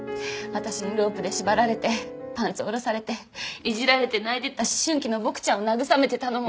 私にロープで縛られてパンツ下ろされていじられて泣いてた思春期のボクちゃんを慰めてたのも。